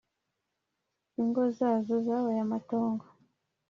Ingo zazo zabaye amatongo.